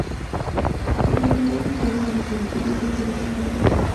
Desde joven se interesó en la política y cuestiones sociales.